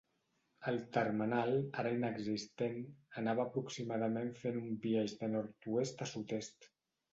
El termenal, ara inexistent, anava aproximadament fent un biaix de nord-oest a sud-est.